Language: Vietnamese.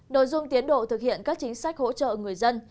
nội dung tiến độ thực hiện các chính sách hỗ trợ người dân